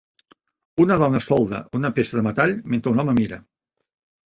Una dona solda una peça de metall mentre un home mira.